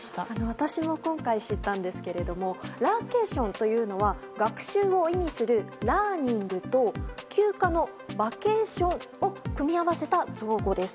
私も今回知ったんですけれどもラーケーションというのは学習を意味するラーニングと休暇のバケーションを組み合わせた造語です。